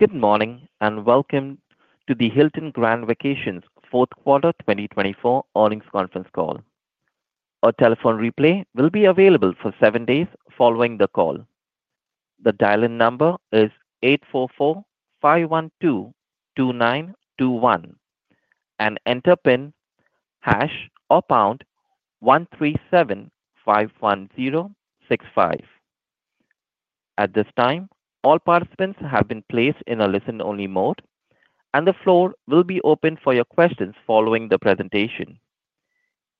Good morning and welcome to the Hilton Grand Vacations 4th Quarter 2024 Earnings Conference Call. A telephone replay will be available for seven days following the call. The dial-in number is eight four four five one two two nine two one and enter PIN hash or pound one three even five one zero six five. At this time, all participants have been placed in a listen-only mode, and the floor will be open for your questions following the presentation.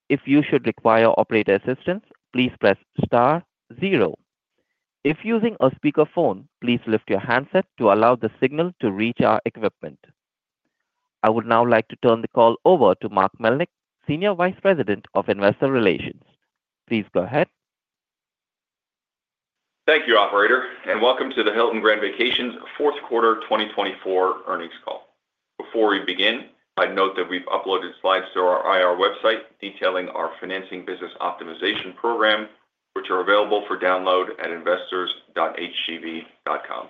If you should require operator assistance, please press star zero. If using a speakerphone, please lift your handset to allow the signal to reach our equipment. I would now like to turn the call over to Mark Melnyk, Senior Vice President of Investor Relations. Please go ahead. Thank you, Operator, and welcome to the Hilton Grand Vacations 4th Quarter 2024 Earnings Call. Before we begin, I'd note that we've uploaded slides to our IR website detailing our Financing Business Optimization Program, which are available for download at investors.hgv.com.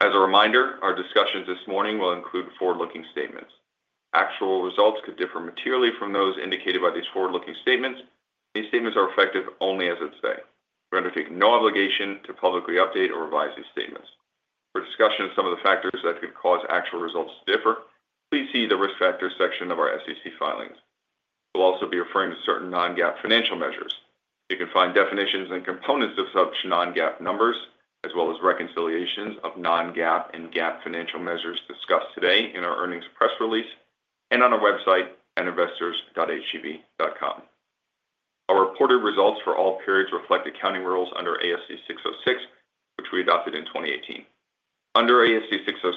As a reminder, our discussions this morning will include forward-looking statements. Actual results could differ materially from those indicated by these forward-looking statements. These statements are effective only as of today. We undertake no obligation to publicly update or revise these statements. For discussion of some of the factors that could cause actual results to differ, please see the risk factors section of our SEC filings. We'll also be referring to certain non-GAAP financial measures. You can find definitions and components of such non-GAAP numbers, as well as reconciliations of non-GAAP and GAAP financial measures discussed today in our earnings press release and on our website at investors.hgv.com. Our reported results for all periods reflect accounting rules under ASC 606, which we adopted in 2018. Under ASC 606,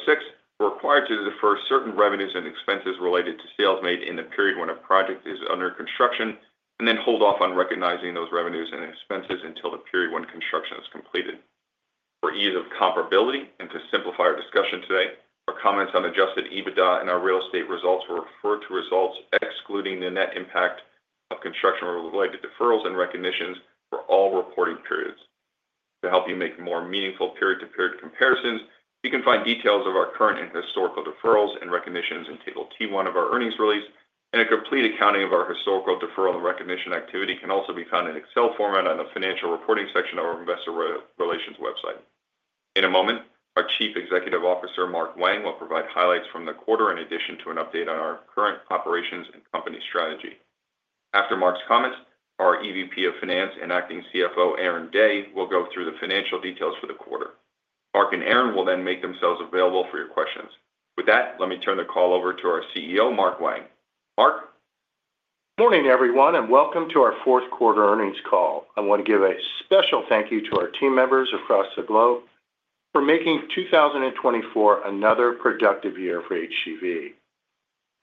we're required to defer certain revenues and expenses related to sales made in the period when a project is under construction and then hold off on recognizing those revenues and expenses until the period when construction is completed. For ease of comparability and to simplify our discussion today, our comments on Adjusted EBITDA and our real estate results were referred to results excluding the net impact of construction-related deferrals and recognitions for all reporting periods. To help you make more meaningful period-to-period comparisons, you can find details of our current and historical deferrals and recognitions in Table T-1 of our earnings release, and a complete accounting of our historical deferral and recognition activity can also be found in Excel format on the Financial Reporting section of our investor relations website. In a moment, our Chief Executive Officer, Mark Wang, will provide highlights from the quarter in addition to an update on our current operations and company strategy. After Mark's comments, our EVP of Finance and Acting CFO, Erin Day, will go through the financial details for the quarter. Mark and Erin will then make themselves available for your questions. With that, let me turn the call over to our CEO, Mark Wang. Mark. Morning, everyone, and welcome to our fourth quarter earnings call. I want to give a special thank you to our team members across the globe for making 2024 another productive year for HGV.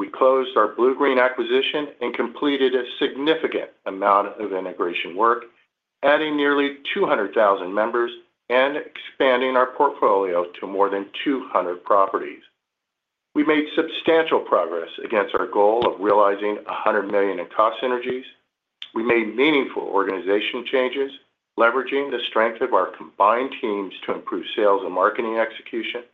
We closed our Bluegreen acquisition and completed a significant amount of integration work, adding nearly 200,000 members and expanding our portfolio to more than 200 properties. We made substantial progress against our goal of realizing $100 million in cost synergies. We made meaningful organizational changes, leveraging the strength of our combined teams to improve sales and marketing execution.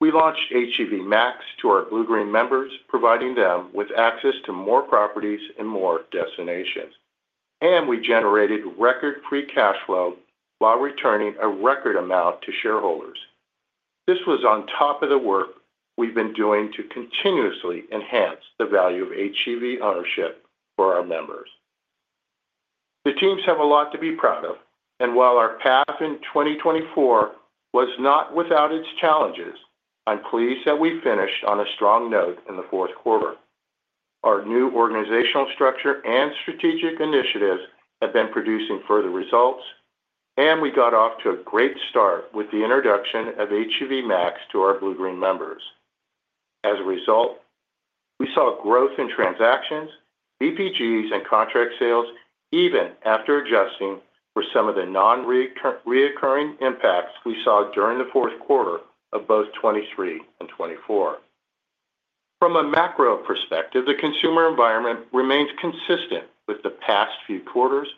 We launched HGV Max to our Bluegreen members, providing them with access to more properties and more destinations, and we generated record free cash flow while returning a record amount to shareholders. This was on top of the work we've been doing to continuously enhance the value of HGV ownership for our members. The teams have a lot to be proud of, and while our path in 2024 was not without its challenges, I'm pleased that we finished on a strong note in the 4th quarter. Our new organizational structure and strategic initiatives have been producing further results, and we got off to a great start with the introduction of HGV Max to our Bluegreen members. As a result, we saw growth in transactions, VPGs, and contract sales even after adjusting for some of the non-recurring impacts we saw during the 4th quarter of both 2023 and 2024. From a macro perspective, the consumer environment remains consistent with the past few quarters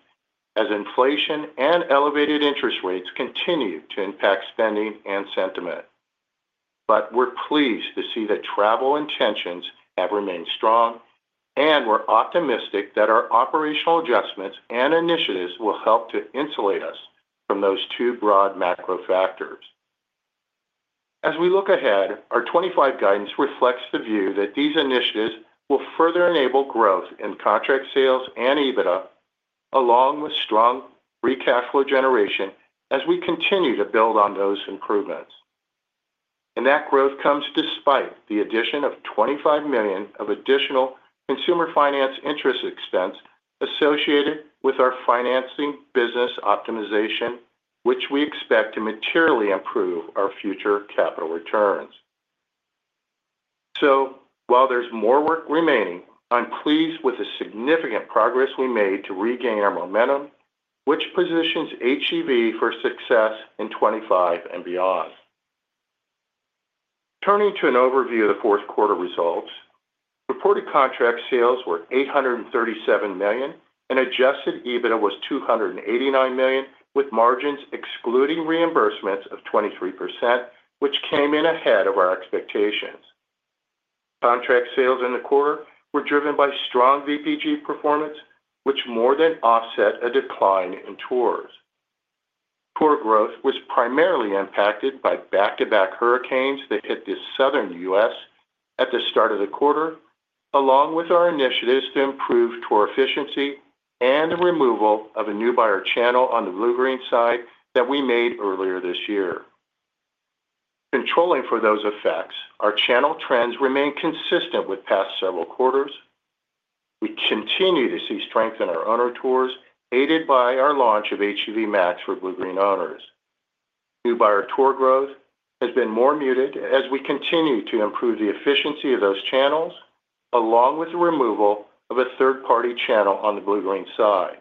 as inflation and elevated interest rates continue to impact spending and sentiment. But we're pleased to see that travel intentions have remained strong, and we're optimistic that our operational adjustments and initiatives will help to insulate us from those two broad macro factors. As we look ahead, our 2025 guidance reflects the view that these initiatives will further enable growth in contract sales and EBITDA, along with strong free cash flow generation as we continue to build on those improvements. And that growth comes despite the addition of $25 million of additional consumer finance interest expense associated with our financing business optimization, which we expect to materially improve our future capital returns. So, while there's more work remaining, I'm pleased with the significant progress we made to regain our momentum, which positions HGV for success in 2025 and beyond. Turning to an overview of the fourth quarter results, reported contract sales were $837 million, and Adjusted EBITDA was $289 million, with margins excluding reimbursements of 23%, which came in ahead of our expectations. Contract sales in the quarter were driven by strong VPG performance, which more than offset a decline in tours. Tour growth was primarily impacted by back-to-back hurricanes that hit the Southern U.S. at the start of the quarter, along with our initiatives to improve tour efficiency and the removal of a new buyer channel on the Bluegreen side that we made earlier this year. Controlling for those effects, our channel trends remain consistent with past several quarters. We continue to see strength in our owner tours, aided by our launch of HGV Max for Bluegreen owners. New buyer tour growth has been more muted as we continue to improve the efficiency of those channels, along with the removal of a third-party channel on the Bluegreen side.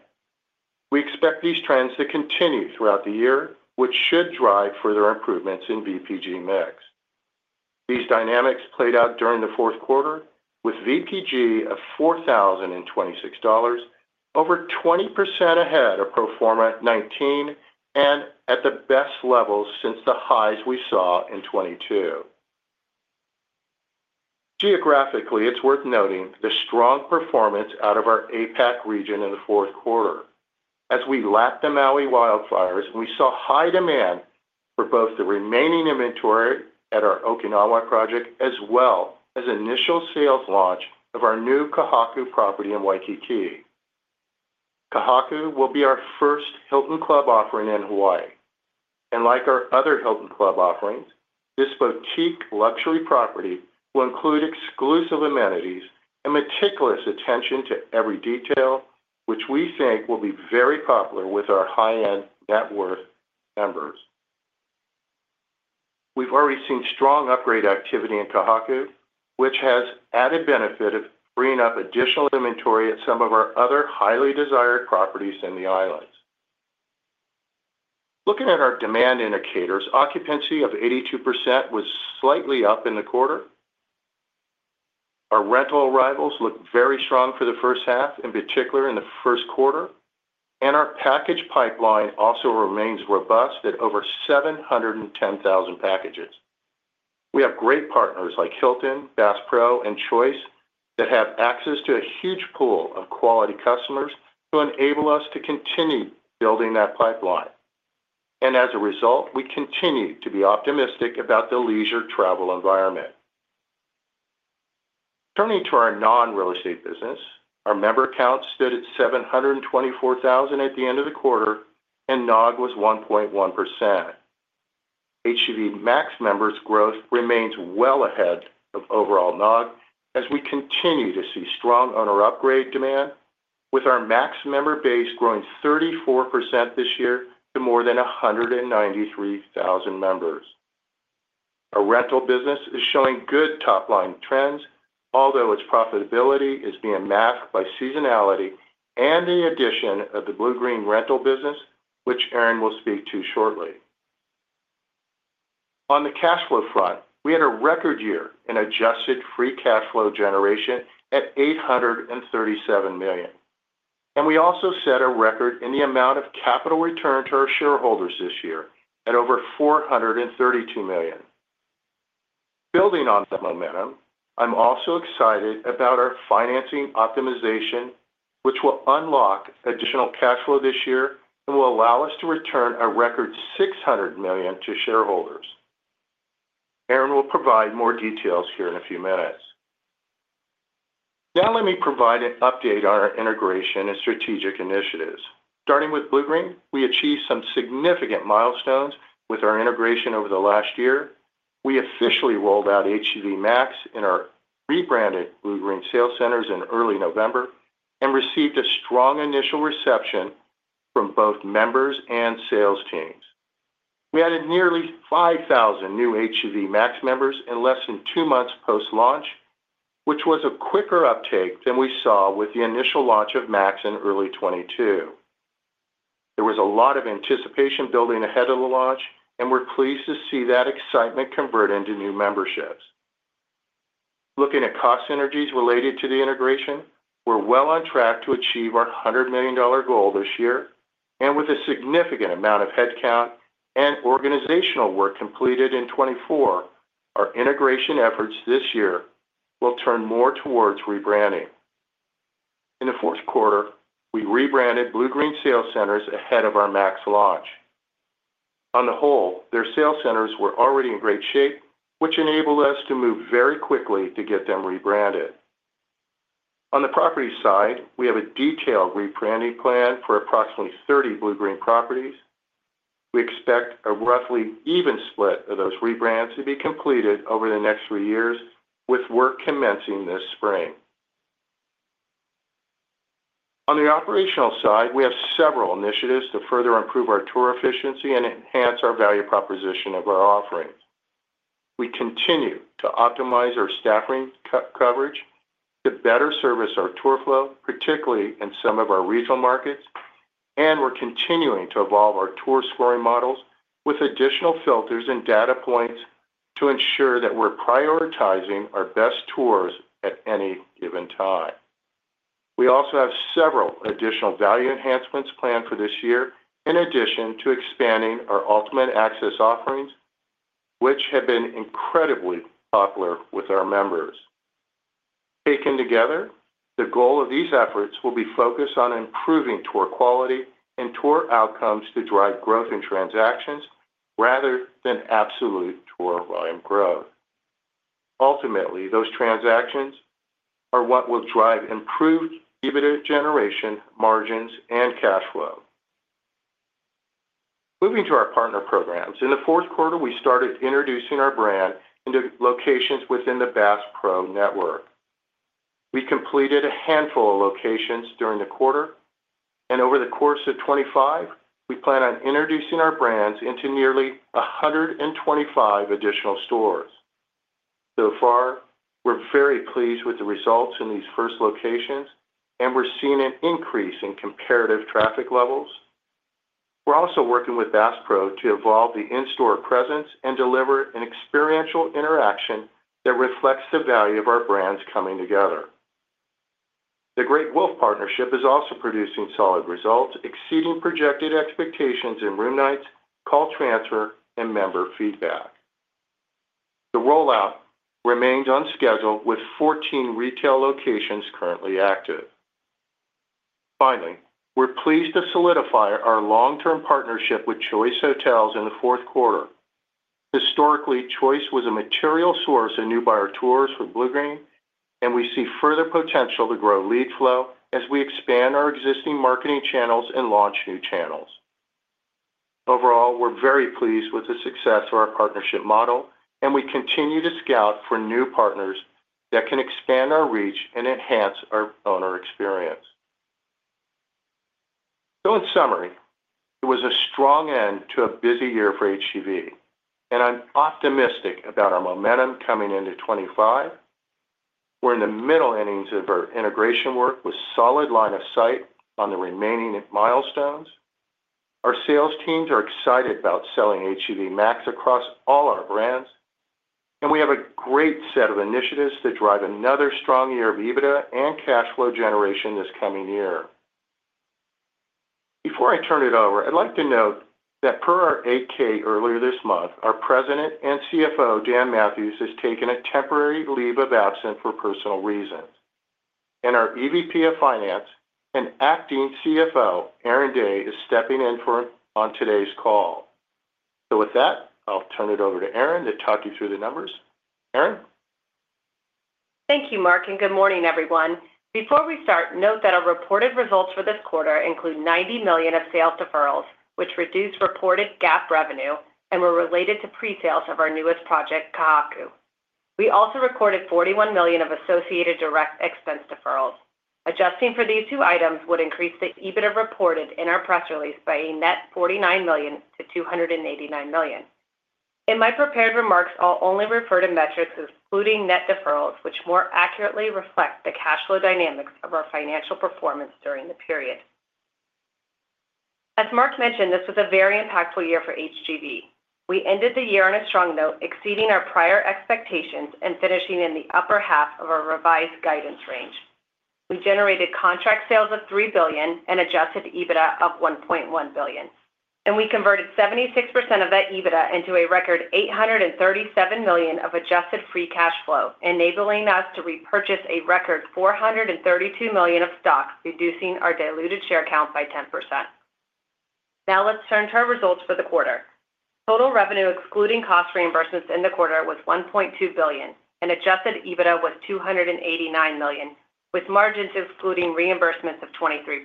We expect these trends to continue throughout the year, which should drive further improvements in VPG mix. These dynamics played out during the 4th quarter, with VPG of $4,026, over 20% ahead of pro forma 2019 and at the best levels since the highs we saw in 2022. Geographically, it's worth noting the strong performance out of our APAC region in the 4th quarter. As we lapped the Maui wildfires, we saw high demand for both the remaining inventory at our Okinawa project as well as initial sales launch of our new Ka Haku property in Waikiki. Ka Haku will be our first Hilton Club offering in Hawaii. Like our other Hilton Club offerings, this boutique luxury property will include exclusive amenities and meticulous attention to every detail, which we think will be very popular with our high-end net worth members. We've already seen strong upgrade activity in Ka Haku, which has added benefit of freeing up additional inventory at some of our other highly desired properties in the islands. Looking at our demand indicators, occupancy of 82% was slightly up in the quarter. Our rental arrivals look very strong for the first half, in particular in the 1st quarter, and our package pipeline also remains robust at over 710,000 packages. We have great partners like Hilton, Bass Pro, and Choice that have access to a huge pool of quality customers to enable us to continue building that pipeline. As a result, we continue to be optimistic about the leisure travel environment. Turning to our non-real estate business, our member count stood at 724,000 at the end of the quarter, and NOG was 1.1%. HGV Max members' growth remains well ahead of overall NOG as we continue to see strong owner upgrade demand, with our Max member base growing 34% this year to more than 193,000 members. Our rental business is showing good top-line trends, although its profitability is being masked by seasonality and the addition of the Bluegreen rental business, which Erin will speak to shortly. On the cash flow front, we had a record year in adjusted free cash flow generation at $837 million. We also set a record in the amount of capital returned to our shareholders this year at over $432 million. Building on that momentum, I'm also excited about our financing optimization, which will unlock additional cash flow this year and will allow us to return a record $600 million to shareholders. Erin will provide more details here in a few minutes. Now let me provide an update on our integration and strategic initiatives. Starting with Bluegreen, we achieved some significant milestones with our integration over the last year. We officially rolled out HGV Max in our rebranded Bluegreen sales centers in early November and received a strong initial reception from both members and sales teams. We added nearly 5,000 new HGV Max members in less than two months post-launch, which was a quicker uptake than we saw with the initial launch of Max in early 2022. There was a lot of anticipation building ahead of the launch, and we're pleased to see that excitement convert into new memberships. Looking at cost synergies related to the integration, we're well on track to achieve our $100 million goal this year, and with a significant amount of headcount and organizational work completed in 2024, our integration efforts this year will turn more towards rebranding. In the 4th quarter, we rebranded Bluegreen sales centers ahead of our Max launch. On the whole, their sales centers were already in great shape, which enabled us to move very quickly to get them rebranded. On the property side, we have a detailed rebranding plan for approximately 30 Bluegreen properties. We expect a roughly even split of those rebrands to be completed over the next three years, with work commencing this spring. On the operational side, we have several initiatives to further improve our tour efficiency and enhance our value proposition of our offerings. We continue to optimize our staffing coverage to better service our tour flow, particularly in some of our regional markets, and we're continuing to evolve our tour scoring models with additional filters and data points to ensure that we're prioritizing our best tours at any given time. We also have several additional value enhancements planned for this year, in addition to expanding our Ultimate Access offerings, which have been incredibly popular with our members. Taken together, the goal of these efforts will be focused on improving tour quality and tour outcomes to drive growth in transactions rather than absolute tour volume growth. Ultimately, those transactions are what will drive improved EBITDA generation, margins, and cash flow. Moving to our partner programs, in the 4th quarter, we started introducing our brand into locations within the Bass Pro network. We completed a handful of locations during the quarter, and over the course of 2025, we plan on introducing our brands into nearly 125 additional stores. So far, we're very pleased with the results in these first locations, and we're seeing an increase in comparative traffic levels. We're also working with Bass Pro to evolve the in-store presence and deliver an experiential interaction that reflects the value of our brands coming together. The Great Wolf partnership is also producing solid results, exceeding projected expectations in room nights, call transfer, and member feedback. The rollout remained on schedule, with 14 retail locations currently active. Finally, we're pleased to solidify our long-term partnership with Choice Hotels in the 4th quarter. Historically, Choice was a material source of new buyer tours for Bluegreen, and we see further potential to grow lead flow as we expand our existing marketing channels and launch new channels. Overall, we're very pleased with the success of our partnership model, and we continue to scout for new partners that can expand our reach and enhance our owner experience. So, in summary, it was a strong end to a busy year for HGV, and I'm optimistic about our momentum coming into 2025. We're in the middle innings of our integration work with solid line of sight on the remaining milestones. Our sales teams are excited about selling HGV Max across all our brands, and we have a great set of initiatives to drive another strong year of EBITDA and cash flow generation this coming year. Before I turn it over, I'd like to note that per our 8-K earlier this month, our President and CFO, Dan Mathewes, has taken a temporary leave of absence for personal reasons. Our EVP of Finance and acting CFO, Erin Day, is stepping in for him on today's call. With that, I'll turn it over to Erin to talk you through the numbers. Erin? Thank you, Mark, and good morning, everyone. Before we start, note that our reported results for this quarter include $90 million of sales deferrals, which reduced reported GAAP revenue and were related to pre-sales of our newest project, Ka Haku. We also recorded $41 million of associated direct expense deferrals. Adjusting for these two items would increase the EBITDA reported in our press release by a net $49 million to $289 million. In my prepared remarks, I'll only refer to metrics including net deferrals, which more accurately reflect the cash flow dynamics of our financial performance during the period. \ As Mark mentioned, this was a very impactful year for HGV. We ended the year on a strong note, exceeding our prior expectations and finishing in the upper half of our revised guidance range. We generated contract sales of $3 billion and adjusted EBITDA of $1.1 billion, and we converted 76% of that EBITDA into a record $837 million of adjusted free cash flow, enabling us to repurchase a record $432 million of stock, reducing our diluted share count by 10%. Now let's turn to our results for the quarter. Total revenue, excluding cost reimbursements in the quarter, was $1.2 billion, and adjusted EBITDA was $289 million, with margins excluding reimbursements of 23%.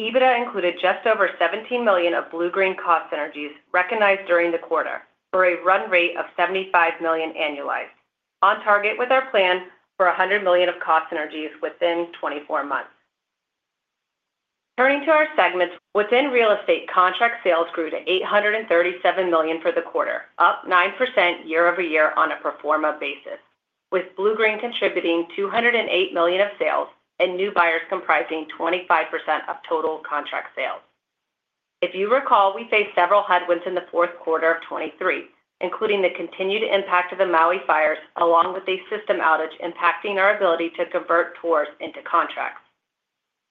EBITDA included just over $17 million of Bluegreen cost synergies recognized during the quarter, for a run rate of $75 million annualized. On target with our plan for $100 million of cost synergies within 24 months. Turning to our segments, within real estate, contract sales grew to $837 million for the quarter, up 9% year over year on a pro forma basis, with Bluegreen contributing $208 million of sales and new buyers comprising 25% of total contract sales. If you recall, we faced several headwinds in the fourth quarter of 2023, including the continued impact of the Maui fires, along with a system outage impacting our ability to convert tours into contracts.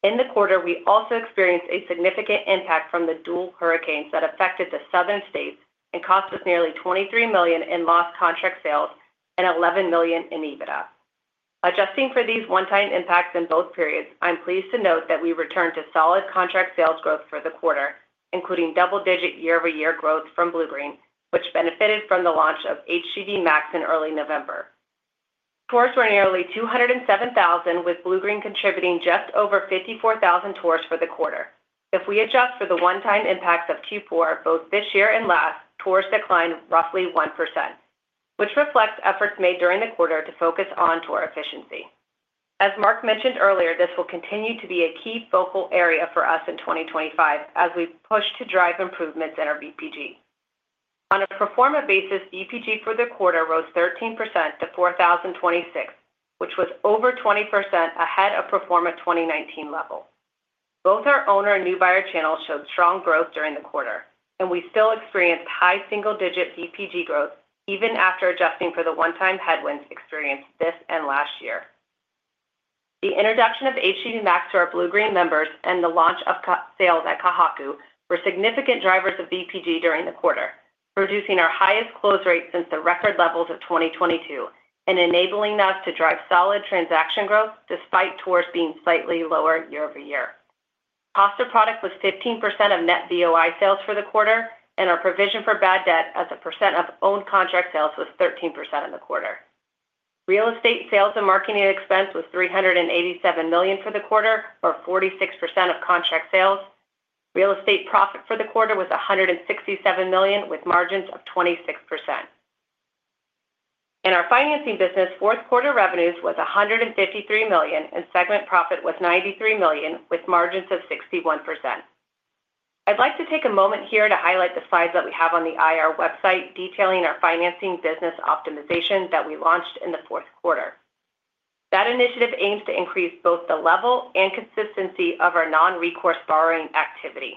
In the quarter, we also experienced a significant impact from the dual hurricanes that affected the southern states and cost us nearly $23 million in lost contract sales and $11 million in EBITDA. Adjusting for these one-time impacts in both periods, I'm pleased to note that we returned to solid contract sales growth for the quarter, including double-digit year-over-year growth from Bluegreen, which benefited from the launch of HGV Max in early November. Tours were nearly 207,000, with Bluegreen contributing just over 54,000 tours for the quarter. If we adjust for the one-time impacts of Q4, both this year and last, tours declined roughly 1%, which reflects efforts made during the quarter to focus on tour efficiency. As Mark mentioned earlier, this will continue to be a key focal area for us in 2025 as we push to drive improvements in our VPG. On a pro forma basis, VPG for the quarter rose 13% to 4,026, which was over 20% ahead of pro forma 2019 level. Both our owner and new buyer channels showed strong growth during the quarter, and we still experienced high single-digit VPG growth even after adjusting for the one-time headwinds experienced this and last year. The introduction of HGV Max to our Bluegreen members and the launch of sales at Ka Haku were significant drivers of VPG during the quarter, producing our highest close rate since the record levels of 2022 and enabling us to drive solid transaction growth despite tours being slightly lower year over year. Cost of product was 15% of net VOI sales for the quarter, and our provision for bad debt as a percent of owned contract sales was 13% for the quarter. Real estate sales and marketing expense was $387 million for the quarter, or 46% of contract sales. Real estate profit for the quarter was $167 million, with margins of 26%. In our financing business, fourth quarter revenues was $153 million, and segment profit was $93 million, with margins of 61%. I'd like to take a moment here to highlight the slides that we have on the IR website detailing our financing business optimization that we launched in the 4th quarter. That initiative aims to increase both the level and consistency of our non-recourse borrowing activity,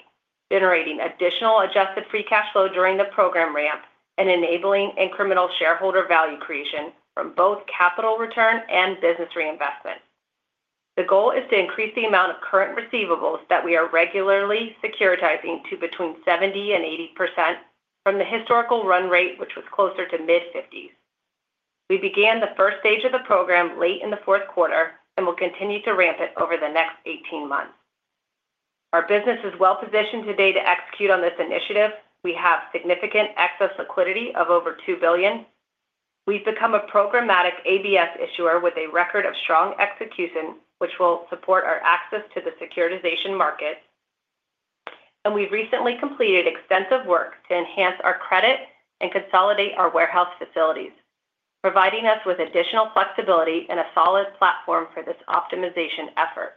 generating additional adjusted free cash flow during the program ramp and enabling incremental shareholder value creation from both capital return and business reinvestment. The goal is to increase the amount of current receivables that we are regularly securitizing to between 70% and 80% from the historical run rate, which was closer to mid-50s%. We began the first stage of the program late in the 4th quarter and will continue to ramp it over the next 18 months. Our business is well positioned today to execute on this initiative. We have significant excess liquidity of over $2 billion. We've become a programmatic ABS issuer with a record of strong execution, which will support our access to the securitization market. And we've recently completed extensive work to enhance our credit and consolidate our warehouse facilities, providing us with additional flexibility and a solid platform for this optimization effort.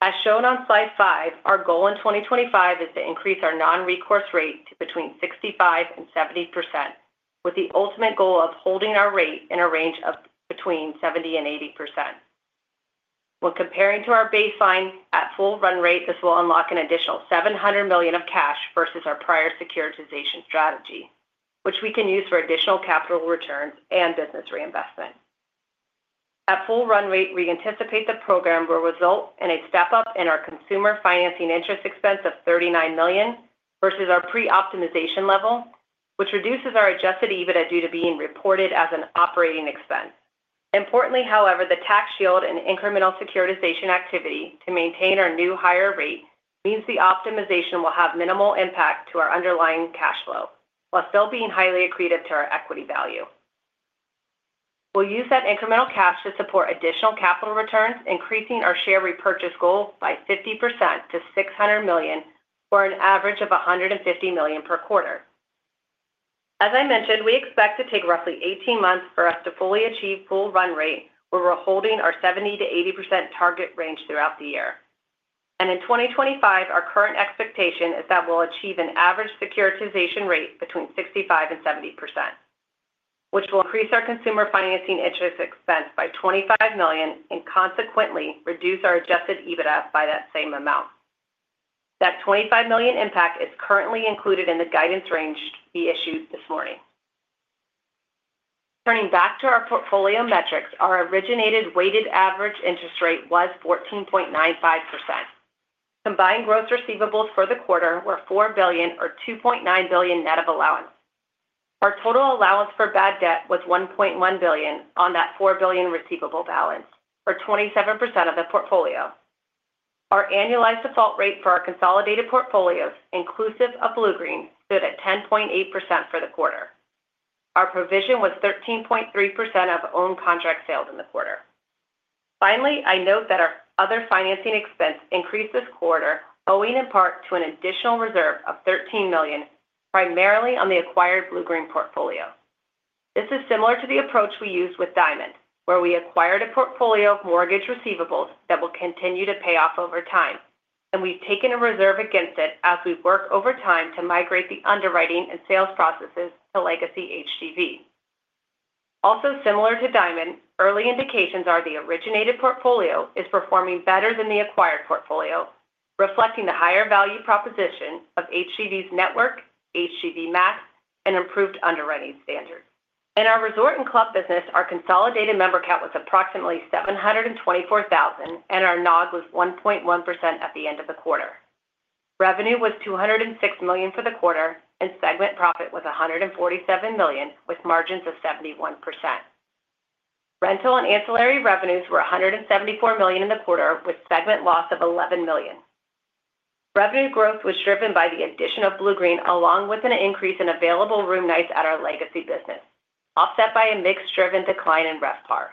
As shown on slide 5, our goal in 2025 is to increase our non-recourse rate to between 65%-70%, with the ultimate goal of holding our rate in a range of between 70%-80%. When comparing to our baseline at full run rate, this will unlock an additional $700 million of cash versus our prior securitization strategy, which we can use for additional capital returns and business reinvestment. At full run rate, we anticipate the program will result in a step-up in our consumer financing interest expense of $39 million versus our pre-optimization level, which reduces our adjusted EBITDA due to being reported as an operating expense. Importantly, however, the tax shield and incremental securitization activity to maintain our new higher rate means the optimization will have minimal impact to our underlying cash flow, while still being highly accretive to our equity value. We'll use that incremental cash to support additional capital returns, increasing our share repurchase goal by 50% to $600 million, or an average of $150 million per quarter. As I mentioned, we expect to take roughly 18 months for us to fully achieve full run rate, where we're holding our 70%-80% target range throughout the year. In 2025, our current expectation is that we'll achieve an average securitization rate between 65%-70%, which will increase our consumer financing interest expense by $25 million and consequently reduce our Adjusted EBITDA by that same amount. That $25 million impact is currently included in the guidance range we issued this morning. Turning back to our portfolio metrics, our originated weighted average interest rate was 14.95%. Combined gross receivables for the quarter were $4 billion, or $2.9 billion net of allowance. Our total allowance for bad debt was $1.1 billion on that $4 billion receivable balance, or 27% of the portfolio. Our annualized default rate for our consolidated portfolios, inclusive of Bluegreen, stood at 10.8% for the quarter. Our provision was 13.3% of owned contract sales in the quarter. Finally, I note that our other financing expense increased this quarter, owing in part to an additional reserve of $13 million, primarily on the acquired Bluegreen portfolio. This is similar to the approach we used with Diamond, where we acquired a portfolio of mortgage receivables that will continue to pay off over time, and we've taken a reserve against it as we work over time to migrate the underwriting and sales processes to Legacy HGV. Also, similar to Diamond, early indications are the originated portfolio is performing better than the acquired portfolio, reflecting the higher value proposition of HGV's network, HGV Max, and improved underwriting standards. In our resort and club business, our consolidated member count was approximately 724,000, and our NOG was 1.1% at the end of the quarter. Revenue was $206 million for the quarter, and segment profit was $147 million, with margins of 71%. Rental and ancillary revenues were $174 million in the quarter, with segment loss of $11 million. Revenue growth was driven by the addition of Bluegreen, along with an increase in available room nights at our legacy business, offset by a mix-driven decline in RevPAR.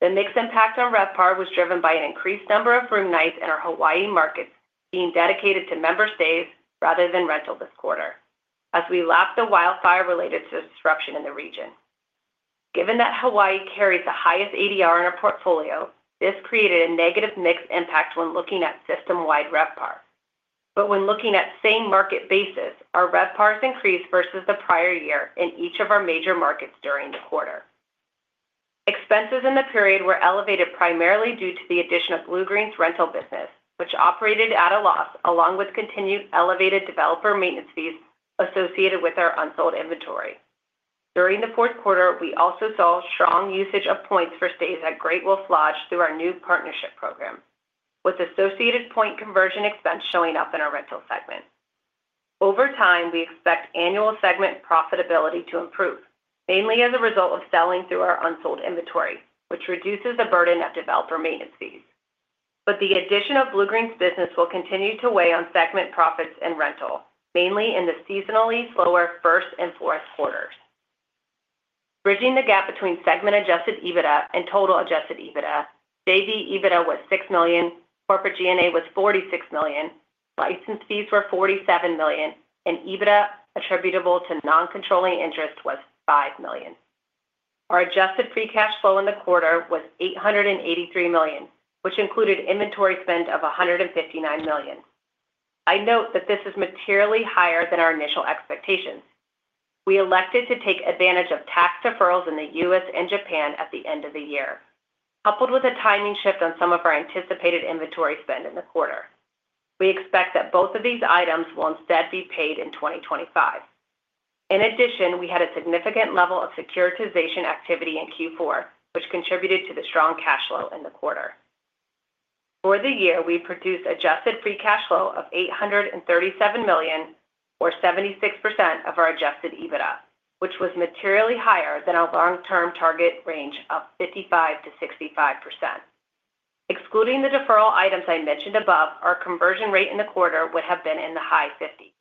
The mix impact on RevPAR was driven by an increased number of room nights in our Hawaii markets being dedicated to member stays rather than rental this quarter, as we lapped the wildfire-related disruption in the region. Given that Hawaii carries the highest ADR in our portfolio, this created a negative mix impact when looking at system-wide RevPAR. But when looking at same-market basis, our RevPARs increased versus the prior year in each of our major markets during the quarter. Expenses in the period were elevated primarily due to the addition of Bluegreen's rental business, which operated at a loss, along with continued elevated developer maintenance fees associated with our unsold inventory. During the 4th quarter, we also saw strong usage of points for stays at Great Wolf Lodge through our new partnership program, with associated point conversion expense showing up in our rental segment. Over time, we expect annual segment profitability to improve, mainly as a result of selling through our unsold inventory, which reduces the burden of developer maintenance fees. But the addition of Bluegreen's business will continue to weigh on segment profits and rental, mainly in the seasonally slower 1st and 4th quarters. Bridging the gap between segment-adjusted EBITDA and total-adjusted EBITDA, JV EBITDA was $6 million, corporate G&A was $46 million, license fees were $47 million, and EBITDA attributable to non-controlling interest was $5 million. Our adjusted free cash flow in the quarter was $883 million, which included inventory spend of $159 million. I note that this is materially higher than our initial expectations. We elected to take advantage of tax deferrals in the U.S. and Japan at the end of the year, coupled with a timing shift on some of our anticipated inventory spend in the quarter. We expect that both of these items will instead be paid in 2025. In addition, we had a significant level of securitization activity in Q4, which contributed to the strong cash flow in the quarter. For the year, we produced adjusted free cash flow of $837 million, or 76% of our adjusted EBITDA, which was materially higher than our long-term target range of 55%-65%. Excluding the deferral items I mentioned above, our conversion rate in the quarter would have been in the high 50.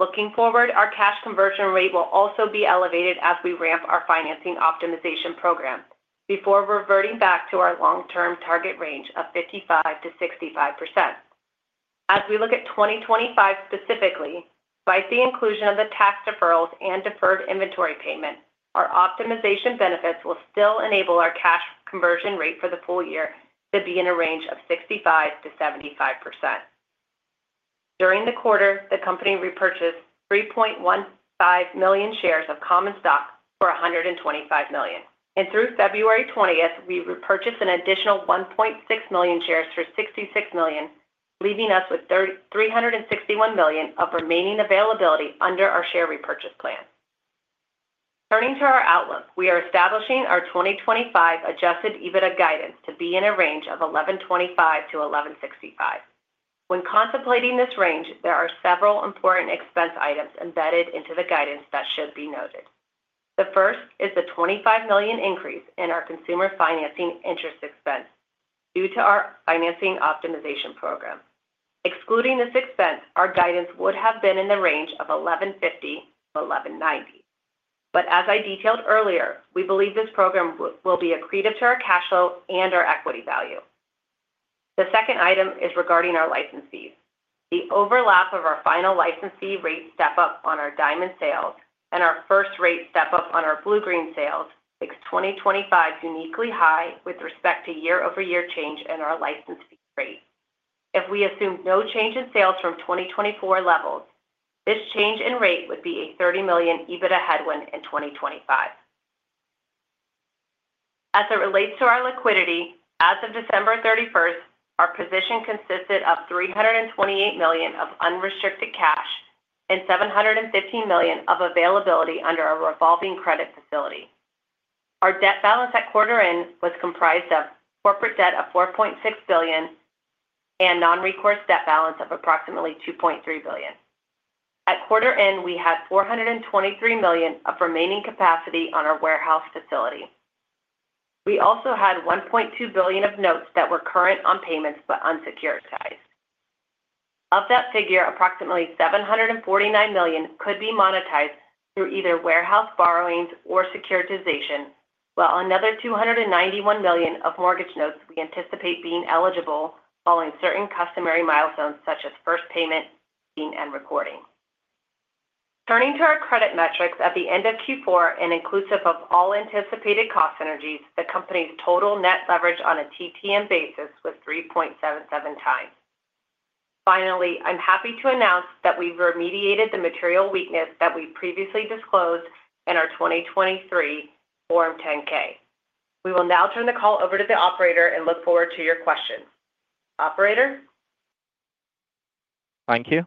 Looking forward, our cash conversion rate will also be elevated as we ramp our financing optimization program before reverting back to our long-term target range of 55%-65%. As we look at 2025 specifically, by the inclusion of the tax deferrals and deferred inventory payment, our optimization benefits will still enable our cash conversion rate for the full year to be in a range of 65%-75%. During the quarter, the company repurchased 3.15 million shares of common stock for $125 million, and through February 20th, we repurchased an additional 1.6 million shares for $66 million, leaving us with $361 million of remaining availability under our share repurchase plan. Turning to our outlook, we are establishing our 2025 Adjusted EBITDA guidance to be in a range of $1,125-$1,165. When contemplating this range, there are several important expense items embedded into the guidance that should be noted. The first is the $25 million increase in our consumer financing interest expense due to our financing optimization program. Excluding this expense, our guidance would have been in the range of $1,150 million to $1,190 million. But as I detailed earlier, we believe this program will be accretive to our cash flow and our equity value. The second item is regarding our license fees. The overlap of our final license fee rate step-up on our Diamond sales and our first rate step-up on our Bluegreen sales makes 2025 uniquely high with respect to year-over-year change in our license fee rate. If we assume no change in sales from 2024 levels, this change in rate would be a $30 million EBITDA headwind in 2025. As it relates to our liquidity, as of December 31st, our position consisted of $328 million of unrestricted cash and $715 million of availability under our revolving credit facility. Our debt balance at quarter end was comprised of corporate debt of $4.6 billion and non-recourse debt balance of approximately $2.3 billion. At quarter end, we had $423 million of remaining capacity on our warehouse facility. We also had $1.2 billion of notes that were current on payments but unsecuritized. Of that figure, approximately $749 million could be monetized through either warehouse borrowings or securitization, while another $291 million of mortgage notes we anticipate being eligible following certain customary milestones such as first payment, seasoning, and recording. Turning to our credit metrics at the end of Q4, and inclusive of all anticipated cost synergies, the company's total net leverage on a TTM basis was 3.77 times. Finally, I'm happy to announce that we've remediated the material weakness that we previously disclosed in our 2023 Form 10-K. We will now turn the call over to the operator and look forward to your questions. Operator? Thank you.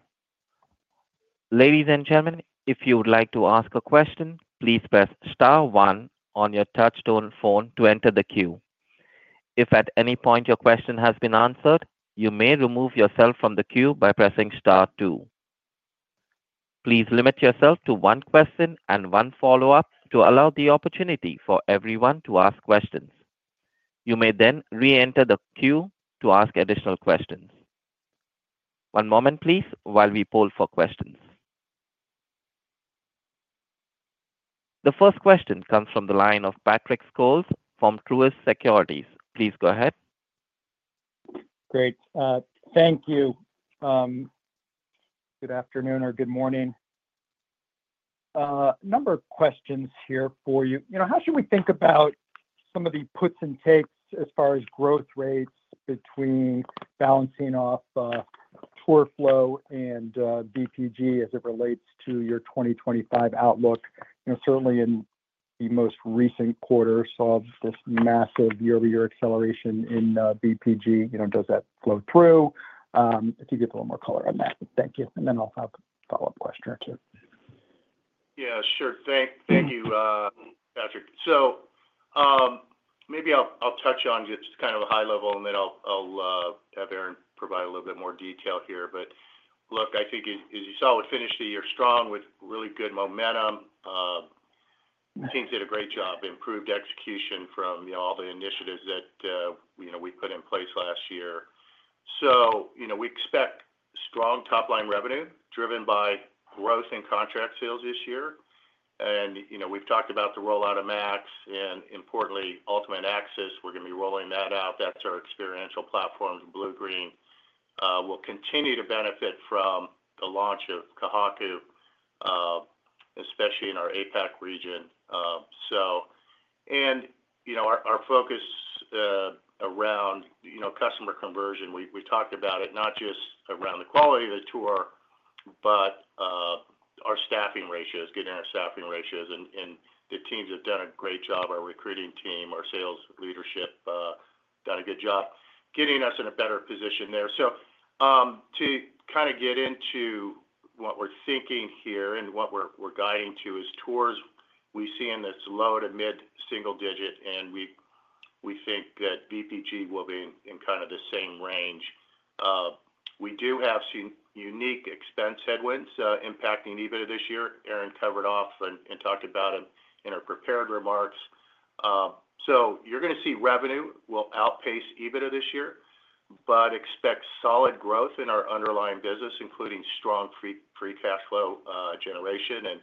Ladies and gentlemen, if you would like to ask a question, please press star one on your touch-tone phone to enter the queue. If at any point your question has been answered, you may remove yourself from the queue by pressing star two. Please limit yourself to one question and one follow-up to allow the opportunity for everyone to ask questions. You may then re-enter the queue to ask additional questions. One moment, please, while we poll for questions. The first question comes from the line of Patrick Scholes from Truist Securities. Please go ahead. Great. Thank you. Good afternoon or good morning. A number of questions here for you. How should we think about some of the puts and takes as far as growth rates between balancing off tour flow and VPG as it relates to your 2025 outlook? Certainly, in the most recent quarter, saw this massive year-over-year acceleration in VPG. Does that flow through? If you could put a little more color on that. Thank you. And then I'll have a follow-up question or two. Yeah, sure. Thank you, Patrick. So maybe I'll touch on just kind of a high level, and then I'll have Erin provide a little bit more detail here. But look, I think, as you saw, we finished the year strong with really good momentum. Teams did a great job, improved execution from all the initiatives that we put in place last year. So we expect strong top-line revenue driven by growth in contract sales this year. And we've talked about the rollout of Max and, importantly, Ultimate Access. We're going to be rolling that out. That's our experiential platform to Bluegreen. We'll continue to benefit from the launch of Ka Haku, especially in our APAC region. And our focus around customer conversion, we've talked about it, not just around the quality of the tour, but our staffing ratios, getting our staffing ratios. And the teams have done a great job. Our recruiting team, our sales leadership, done a good job getting us in a better position there. So to kind of get into what we're thinking here and what we're guiding to is tours we see in this low to mid single digit, and we think that VPG will be in kind of the same range. We do have some unique expense headwinds impacting EBITDA this year. Erin covered off and talked about them in our prepared remarks, so you're going to see revenue will outpace EBITDA this year, but expect solid growth in our underlying business, including strong free cash flow generation,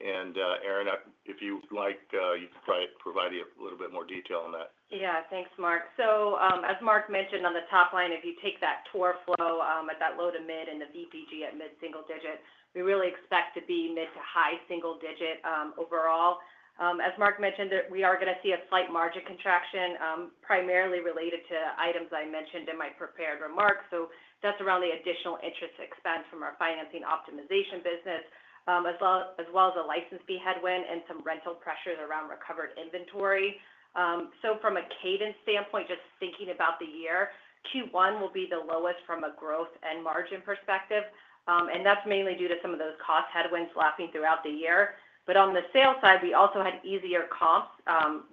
and Erin, if you like, you can provide a little bit more detail on that. Yeah, thanks, Mark, so as Mark mentioned on the top line, if you take that tour flow at that low to mid and the VPG at mid single digit, we really expect to be mid to high single digit overall. As Mark mentioned, we are going to see a slight margin contraction, primarily related to items I mentioned in my prepared remarks, so that's around the additional interest expense from our financing optimization business, as well as a license fee headwind and some rental pressures around recovered inventory. From a cadence standpoint, just thinking about the year, Q1 will be the lowest from a growth and margin perspective. That's mainly due to some of those cost headwinds lapping throughout the year. On the sales side, we also had easier comps.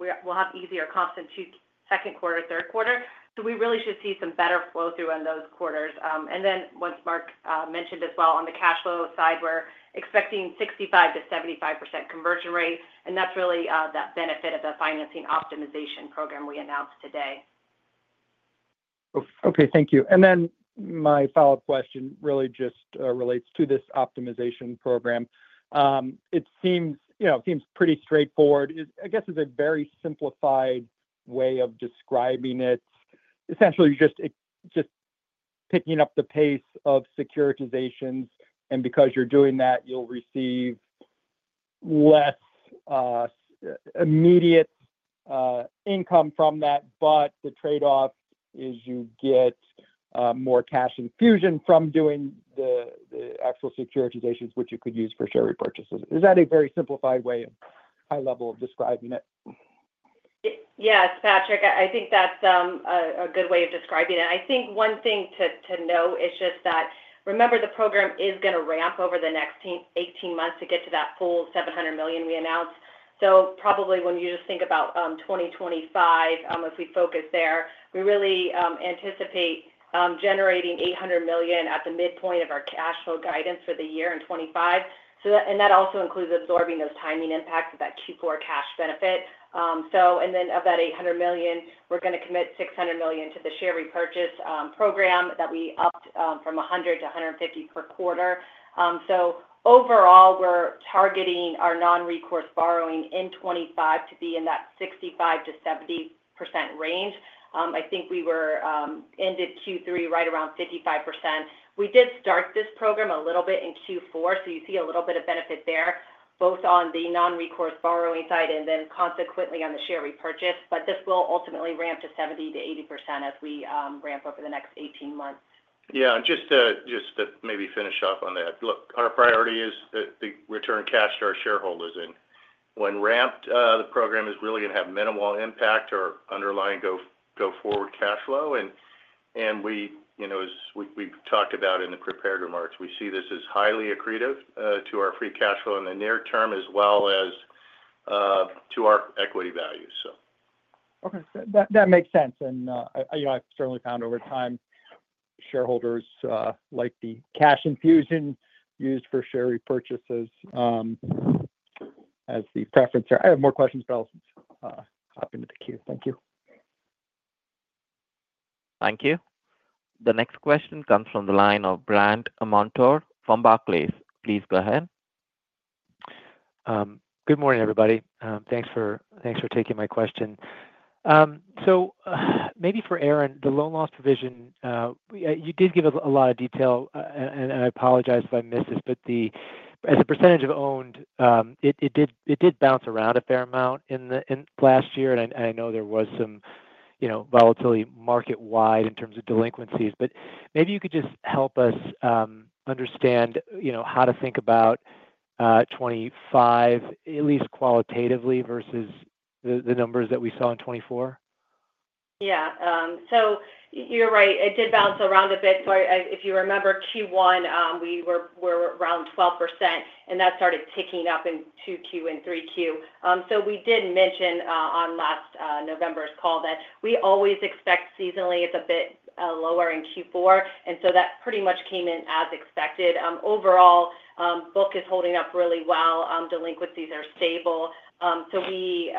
We'll have easier comps in second quarter, third quarter. We really should see some better flow through on those quarters. Mark mentioned as well on the cash flow side that we're expecting 65%-75% conversion rate. That's really the benefit of the financing optimization program we announced today. Okay, thank you. My follow-up question really just relates to this optimization program. It seems pretty straightforward. I guess it's a very simplified way of describing it. Essentially, just picking up the pace of securitizations. Because you're doing that, you'll receive less immediate income from that. But the trade-off is you get more cash infusion from doing the actual securitizations, which you could use for share repurchases. Is that a very simplified way of high level of describing it? Yes, Patrick. I think that's a good way of describing it. I think one thing to note is just that, remember, the program is going to ramp over the next 18 months to get to that full $700 million we announced. So probably when you just think about 2025, if we focus there, we really anticipate generating $800 million at the midpoint of our cash flow guidance for the year in 2025. And that also includes absorbing those timing impacts of that Q4 cash benefit. And then of that $800 million, we're going to commit $600 million to the share repurchase program that we upped from $100 million to $150 million per quarter. So overall, we're targeting our non-recourse borrowing in 2025 to be in that 65%-70% range. I think we ended Q3 right around 55%. We did start this program a little bit in Q4, so you see a little bit of benefit there, both on the non-recourse borrowing side and then consequently on the share repurchase. But this will ultimately ramp to 70%-80% as we ramp over the next 18 months. Yeah, just to maybe finish up on that. Look, our priority is the return cash to our shareholders. And when ramped, the program is really going to have minimal impact or underlying go forward cash flow. And as we've talked about in the prepared remarks, we see this as highly accretive to our free cash flow in the near term as well as to our equity values. Okay, that makes sense. And I've certainly found over time, shareholders like the cash infusion used for share repurchases as the preference. I have more questions, but I'll hop into the queue. Thank you. Thank you. The next question comes from the line of Brandt Montour from Barclays. Please go ahead. Good morning, everybody. Thanks for taking my question. So maybe for Erin, the loan loss provision, you did give us a lot of detail, and I apologize if I missed this, but as a percentage of owned, it did bounce around a fair amount last year. And I know there was some volatility market-wide in terms of delinquencies. But maybe you could just help us understand how to think about 2025, at least qualitatively versus the numbers that we saw in 2024. Yeah. So you're right. It did bounce around a bit. So if you remember Q1, we were around 12%, and that started ticking up in Q2 and Q3. So we did mention on last November's call that we always expect seasonally, it's a bit lower in Q4. And so that pretty much came in as expected. Overall, book is holding up really well. Delinquencies are stable. So we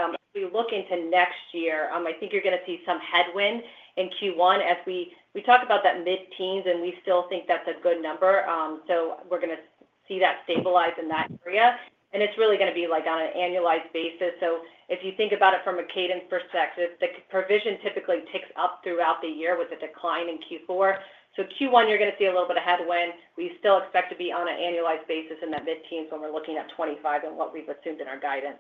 look into next year. I think you're going to see some headwind in Q1 as we talk about that mid-teens, and we still think that's a good number. So we're going to see that stabilize in that area. And it's really going to be on an annualized basis. So if you think about it from a cadence perspective, the provision typically ticks up throughout the year with a decline in Q4. So Q1, you're going to see a little bit of headwind. We still expect to be on an annualized basis in that mid-teens when we're looking at '25 and what we've assumed in our guidance.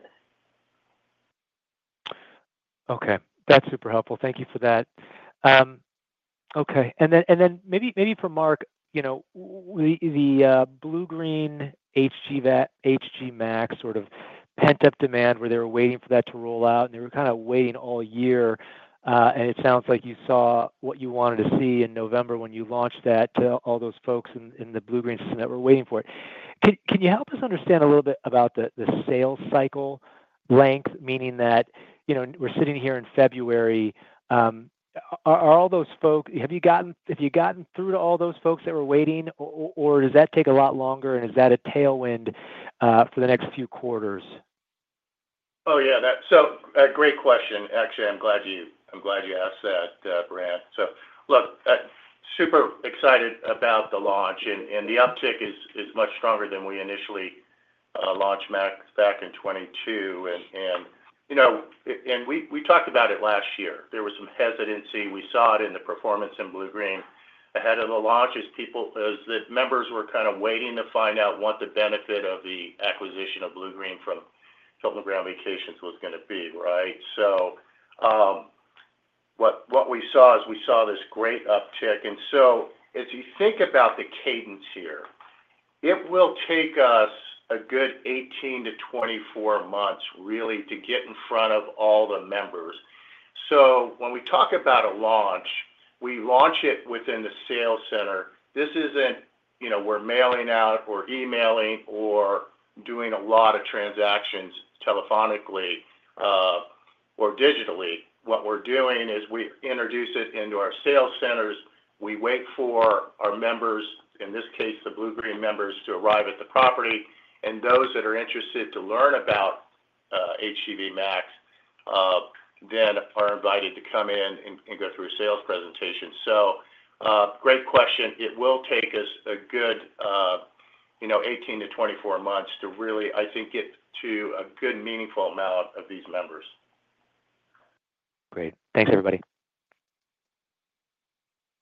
Okay, that's super helpful. Thank you for that. Okay. And then maybe for Mark, the Bluegreen HGV Max sort of pent-up demand where they were waiting for that to roll out, and they were kind of waiting all year. And it sounds like you saw what you wanted to see in November when you launched that to all those folks in the Bluegreen system that were waiting for it. Can you help us understand a little bit about the sales cycle length, meaning that we're sitting here in February? Are all those folks have you gotten through to all those folks that were waiting, or does that take a lot longer, and is that a tailwind for the next few quarters? So great question. Actually, I'm glad you asked that, Brandt. So look, super excited about the launch, and the uptick is much stronger than we initially launched Max back in 2022. And we talked about it last year. There was some hesitancy. We saw it in the performance in Bluegreen ahead of the launch as the members were kind of waiting to find out what the benefit of the acquisition of Bluegreen from Hilton Grand Vacations was going to be, right? So what we saw is we saw this great uptick. And so as you think about the cadence here, it will take us a good 18-24 months really to get in front of all the members. So when we talk about a launch, we launch it within the sales center. This isn't we're mailing out or emailing or doing a lot of transactions telephonically or digitally. What we're doing is we introduce it into our sales centers. We wait for our members, in this case, the Bluegreen members, to arrive at the property. And those that are interested to learn about HGV Max then are invited to come in and go through a sales presentation. So great question. It will take us a good 18-24 months to really, I think, get to a good meaningful amount of these members. Great. Thanks, everybody.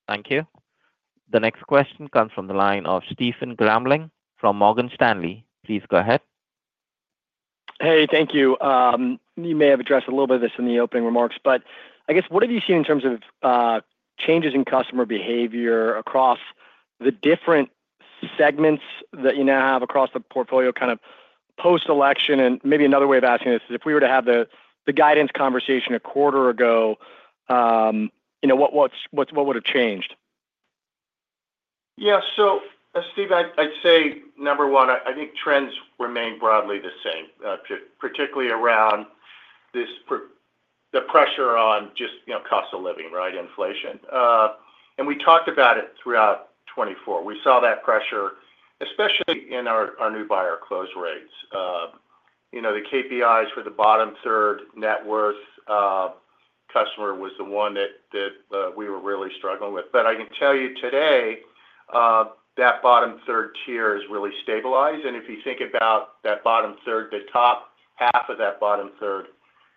Thank you. The next question comes from the line of Stephen Grambling from Morgan Stanley. Please go ahead. Hey, thank you. You may have addressed a little bit of this in the opening remarks, but I guess, what have you seen in terms of changes in customer behavior across the different segments that you now have across the portfolio kind of post-election? And maybe another way of asking this is, if we were to have the guidance conversation a quarter ago, what would have changed? Yeah. So, Steve, I'd say number one, I think trends remain broadly the same, particularly around the pressure on just cost of living, right, inflation. And we talked about it throughout 2024. We saw that pressure, especially in our new buyer close rates. The KPIs for the bottom third net worth customer was the one that we were really struggling with. But I can tell you today, that bottom third tier has really stabilized. And if you think about that bottom third, the top half of that bottom third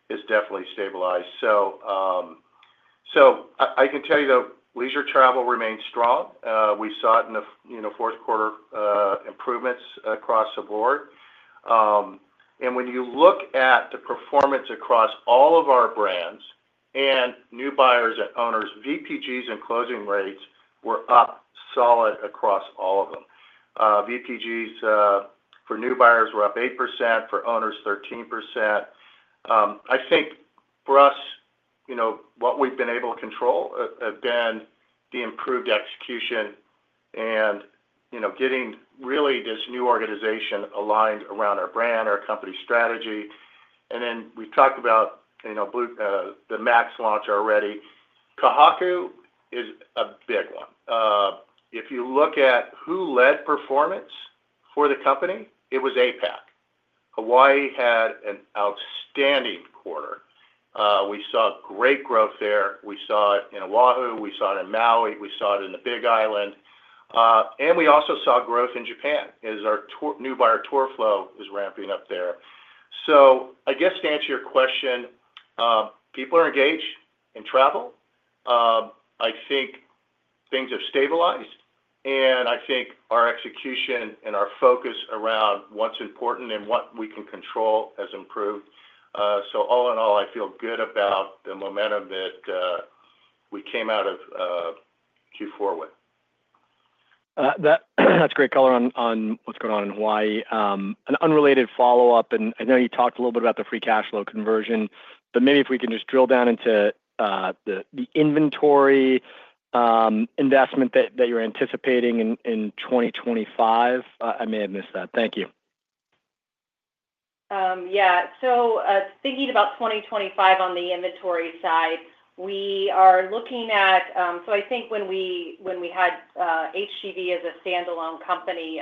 is definitely stabilized. So I can tell you that leisure travel remains strong. We saw it in the fourth quarter improvements across the board. And when you look at the performance across all of our brands and new buyers and owners, VPGs and closing rates were up solid across all of them. VPGs for new buyers were up 8%, for owners, 13%. I think for us, what we've been able to control have been the improved execution and getting really this new organization aligned around our brand, our company strategy. And then we've talked about the Max launch already. Ka Haku is a big one. If you look at who led performance for the company, it was APAC. Hawaii had an outstanding quarter. We saw great growth there. We saw it in Oahu. We saw it in Maui. We saw it in the Big Island. And we also saw growth in Japan as our new buyer tour flow is ramping up there. So I guess to answer your question, people are engaged in travel. I think things have stabilized. And I think our execution and our focus around what's important and what we can control has improved. So all in all, I feel good about the momentum that we came out of Q4 with. That's great color on what's going on in Hawaii. An unrelated follow-up, and I know you talked a little bit about the free cash flow conversion, but maybe if we can just drill down into the inventory investment that you're anticipating in 2025. I may have missed that. Thank you. So thinking about 2025 on the inventory side, we are looking at so I think when we had HGV as a standalone company,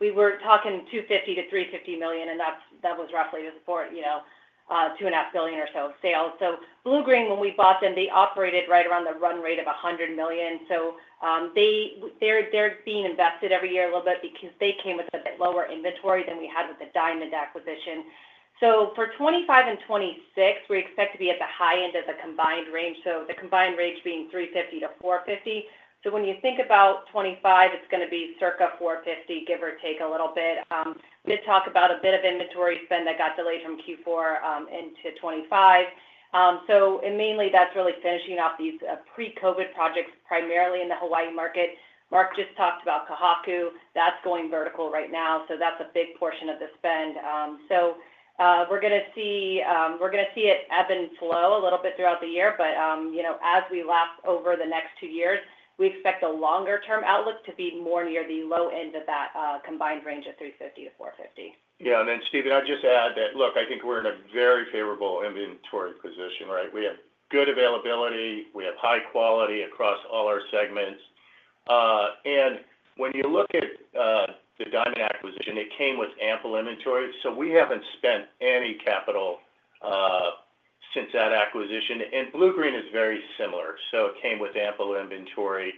we were talking $250 million-$350 million, and that was roughly just about $2.5 billion or so of sales. Bluegreen, when we bought them, they operated right around the run rate of $100 million. They're being invested every year a little bit because they came with a bit lower inventory than we had with the Diamond acquisition. For 2025 and 2026, we expect to be at the high end of the combined range. The combined range being $350 million-$450 million. When you think about 2025, it's going to be circa $450 million, give or take a little bit. We did talk about a bit of inventory spend that got delayed from Q4 into 2025. Mainly, that's really finishing up these pre-COVID projects primarily in the Hawaii market. Mark just talked about Ka Haku. That's going vertical right now. That's a big portion of the spend. We're going to see it ebb and flow a little bit throughout the year. But as we lap over the next two years, we expect the longer-term outlook to be more near the low end of that combined range of 350 to 450. And then, Stephen, I'd just add that, look, I think we're in a very favorable inventory position, right? We have good availability. We have high quality across all our segments. And when you look at the Diamond acquisition, it came with ample inventory. So we haven't spent any capital since that acquisition. And Bluegreen is very similar. So it came with ample inventory.